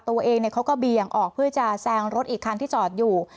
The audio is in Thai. ตัวเองเขาก็เบี่ยงออกเพื่อจะแซงรถอีกคันที่จอดอยู่